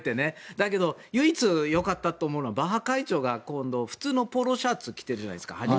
だけど、唯一よかったと思うのはバッハ会長が普通のポロシャツを着ているじゃないですか。